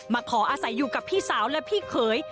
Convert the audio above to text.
ขออาศัยอยู่กับพี่สาวและพี่เขย